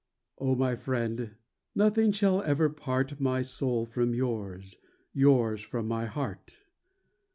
II O, my friend, nothing shall ever part My soul from yours, yours from my heart